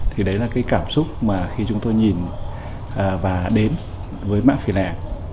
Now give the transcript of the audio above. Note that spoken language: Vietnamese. thì đấy là cái cảm xúc mà khi chúng tôi nhìn và đến với mã phị làng